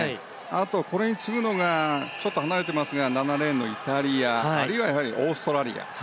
あとは、これに次ぐのがちょっと離れていますが７レーンのイタリアあるいはオーストラリア。